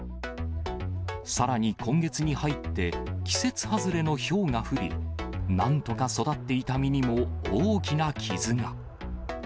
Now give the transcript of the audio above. さらに今月に入って、季節外れのひょうが降り、なんとか育っていた実にも大きな傷が。